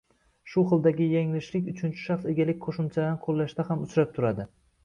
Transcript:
Shu xildagi yanglishlik uchinchi shaxs egalik qoʻshimchalarini qoʻllashda ham uchrab turadi